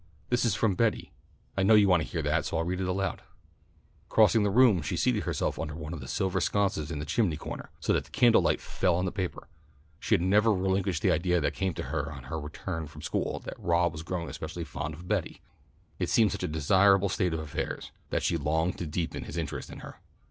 "This is from Betty. I know you want to hear that, so I'll read it aloud." Crossing the room she seated herself under one of the silver sconces in the chimney corner, so that the candlelight fell on the paper. She had never relinquished the idea that came to her on her return from school that Rob was growing especially fond of Betty. It seemed to her such a desirable state of affairs that she longed to deepen his interest in her.